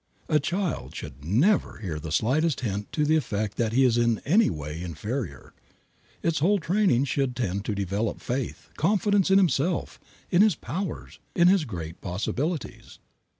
A child should never hear the slightest hint to the effect that it is in any way inferior. Its whole training should tend to develop faith, confidence in himself, in his powers, in his great possibilities.